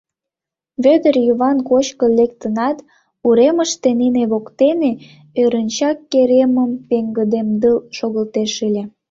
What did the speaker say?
Вӧдыр Йыван кочкын лектынат, уремыште, нине воктене, ӧрынчак керемым пеҥгыдемдыл шогылтеш ыле.